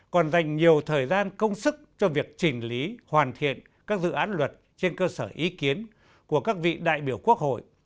còn dành nhiều thời gian công sức cho việc chỉnh lý hoàn thiện các dự án luật trên cơ sở ý kiến của các vị đại biểu quốc hội